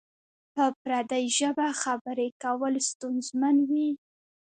په پردۍ ژبه خبری کول ستونزمن وی؟